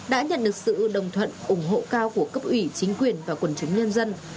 đã nhận được sự đồng thuận ủng hộ cao của cấp ủy chính quyền và quần chúng nhân dân